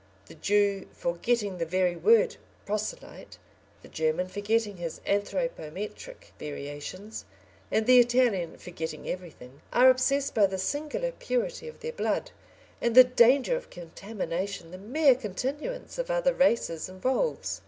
] the Jew forgetting the very word proselyte, the German forgetting his anthropometric variations, and the Italian forgetting everything, are obsessed by the singular purity of their blood, and the danger of contamination the mere continuance of other races involves.